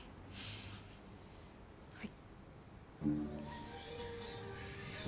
はい。